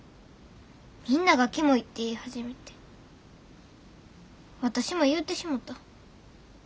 みんながキモいって言い始めて私も言うてしもた。